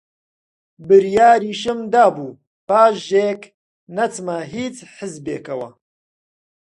بڕیاریشم دابوو پاش ژێ-ک نەچمە هیچ حیزبێکەوە